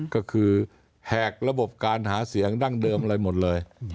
ก็คือแหกระบบการหาเสียงดั้งเดิมอะไรหมดเลย